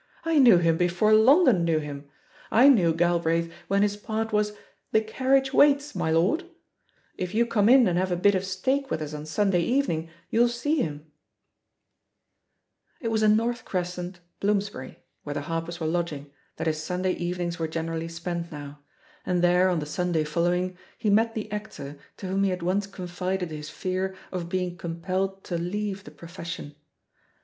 I knew him before London knew him. I knew Galbraith when his part was ^The carriage waits, my lord/ If you come in and have a bit of steak with us on Sunday evening you'll see him/' It was in North Crescent, Bloomsbury, where the Harpers were lodging, that his Sunday eve nings were generally spent now; and there on the Sunday following he met the actor to wh(Mn he had once confided his fear of being compelled to leave "the profession.